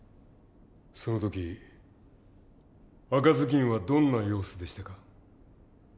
その時赤ずきんはどんな様子でしたか？